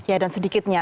ya dan sedikitnya